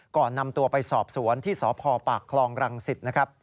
ก่อนนำตัวไปสอบสวนที่สพปคลองรังศิษฐ์